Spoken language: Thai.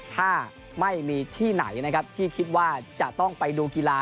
ถ้าไม่มีที่ไหนนะครับที่คิดว่าจะต้องไปดูกีฬา